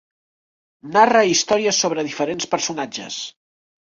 Narra històries sobre diferents personatges.